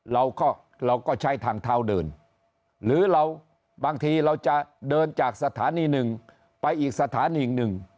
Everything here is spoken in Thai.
เราก็เราก็ใช้ทางเท้าเดินหรือเราบางทีเราจะเดินจากสถานีหนึ่งไปอีกสถานีหนึ่ง